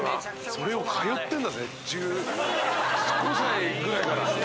それを通ってんだぜ５歳ぐらいから。